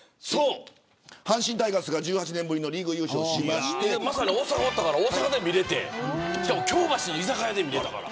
阪神タイガースが１８年ぶりのリーグ優勝しまして大阪におったから京橋の居酒屋で見れたから。